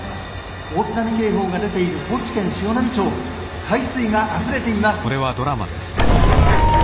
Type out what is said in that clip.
大津波警報が出ている高知県潮波町海水があふれています」。